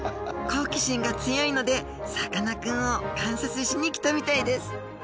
好奇心が強いのでさかなクンを観察しに来たみたいです